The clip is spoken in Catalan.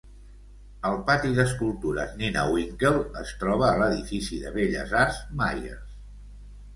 El patí d'escultures Nina Winkel es troba a l'edifici de belles arts Myers.